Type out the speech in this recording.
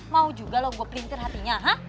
mau juga lo gue pelintir hatinya ha